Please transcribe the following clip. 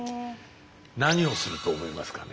何をすると思いますかね？